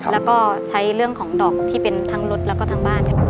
แล้วก็ใช้เรื่องของดอกที่เป็นทั้งรถแล้วก็ทั้งบ้าน